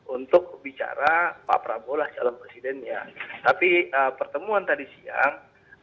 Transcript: untuk bicara pak prabowo lah calon presidennya tapi pertemuan tadi siang